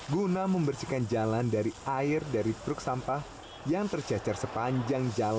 guna membersihkan jalan dari air dari truk sampah yang tercecer sepanjang jalan